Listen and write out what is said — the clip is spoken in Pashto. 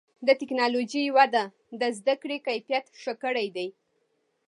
د ټکنالوجۍ وده د زدهکړې کیفیت ښه کړی دی.